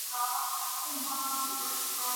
加瑙山。